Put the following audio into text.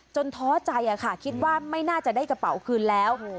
ท้อใจค่ะคิดว่าไม่น่าจะได้กระเป๋าคืนแล้ว